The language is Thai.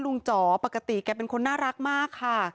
จ๋อปกติแกเป็นคนน่ารักมากค่ะ